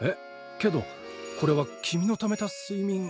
けどこれは君のためたすいみん。